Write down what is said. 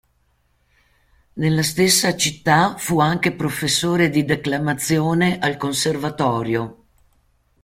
Nella stessa città fu anche professore di declamazione al conservatorio.